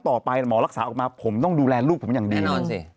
ต่อไปหมอรักษาออกมาผมต้องดูแลลูกผมอย่างดีแน่นอนสิ